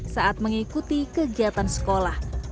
saat mengikuti kegiatan sekolah